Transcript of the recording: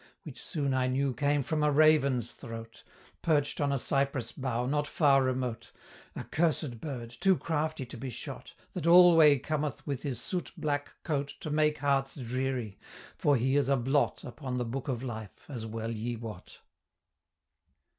Which soon I knew came from a raven's throat, Perch'd on a cypress bough not far remote, A cursed bird, too crafty to be shot, That alway cometh with his soot black coat To make hearts dreary: for he is a blot Upon the book of life, as well ye wot!